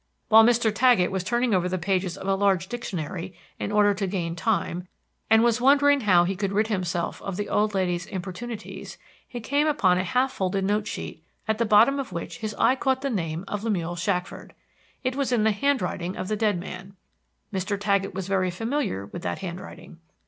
While Mr. Taggett was turning over the pages of a large dictionary, in order to gain time, and was wondering how he could rid himself of the old lady's importunities, he came upon a half folded note sheet, at the bottom of which his eye caught the name of Lemuel Shackford. It was in the handwriting of the dead man. Mr. Taggett was very familiar with that handwriting.